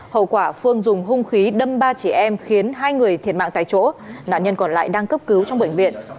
hậu quả phương dùng hung khí đâm ba chị em khiến hai người thiệt mạng tại chỗ nạn nhân còn lại đang cấp cứu trong bệnh viện